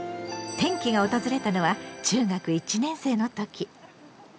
転機が訪れたのは中学１年生の時。